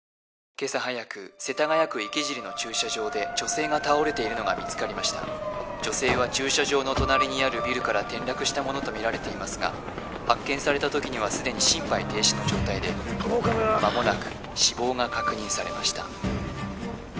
今朝早く世田谷区池尻の駐車場で女性が倒れているのが見つかりました女性は駐車場の隣にあるビルから転落したものと見られていますが発見された時にはすでに心肺停止の状態で間もなく死亡が確認されました